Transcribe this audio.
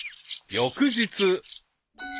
［翌日］